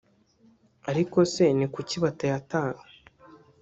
ariko se ni kuki batayatanga